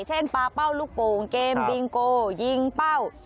เช่นป่าเป้าลูกปลูกเกมบิงโกยิงเป้า